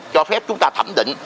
cho phép chúng ta thẩm định